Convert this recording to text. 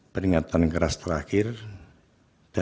peringatan keras terakhir dan